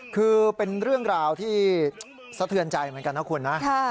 คือเป็นเรื่องราวที่สะเทือนใจเหมือนกันนะคุณนะ